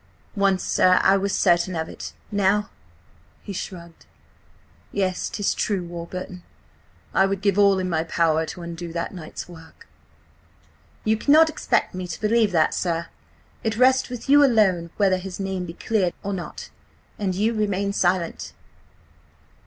"Once, sir, I was certain of it. Now–!" he shrugged. "Yet 'tis true, Warburton. I would give all in my power to undo that night's work." "You cannot expect me to believe that, sir. It rests with you alone whether his name be cleared or not. And you remain silent."